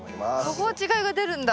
そこは違いが出るんだ。